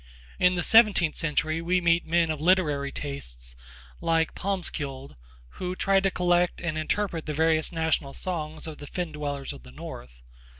In the seventeenth century we meet men of literary tastes like Palmskold who tried to collect and interpret the various national songs of the fen dwellers of the North.